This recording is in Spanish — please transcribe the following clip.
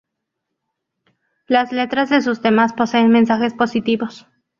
Las letras de sus temas poseen mensajes positivos.